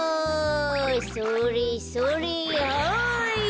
それそれはい！